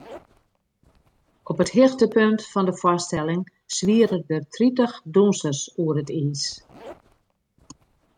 Op it hichtepunt fan de foarstelling swiere der tritich dûnsers oer it iis.